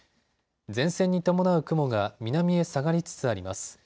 前線に伴う雲が南へ下がりつつあります。